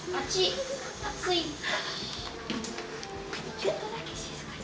ちょっとだけ静かに。